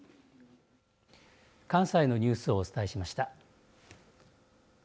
関西のニュースをお伝えしました。